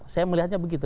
saya melihatnya begitu